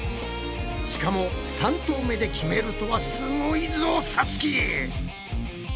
しかも３投目で決めるとはすごいぞさつき！